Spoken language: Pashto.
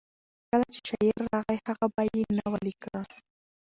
کله چې شعر راغی، هغه به یې نه ولیکه.